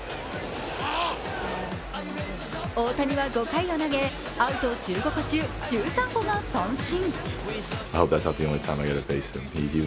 大谷は５回を投げ、アウト１５個中１３個が三振。